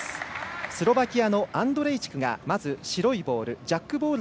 スロバキアのアンドレイチクがまず白いボール。